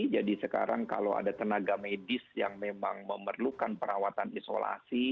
jadi sekarang kalau ada tenaga medis yang memang memerlukan perawatan isolasi